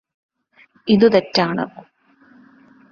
ഇതു തെറ്റാണ്.